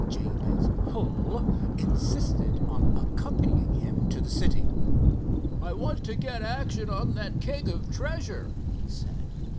Jabez Hull insisted on accompanying him to the city. "I want to get action on that keg of treasure," he said.